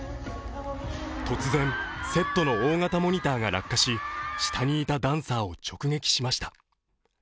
突然、セットの大型モニターが落下し、下にいたダンサーを直撃しました。